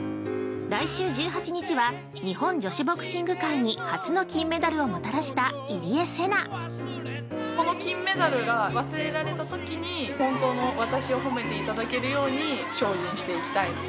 来週１８日は、日本女子ボクシング界に初の金メダルをもたらした入江聖奈◆この金メダルが忘れられたときに、本当の私を褒めていただけるように、精進していきたい。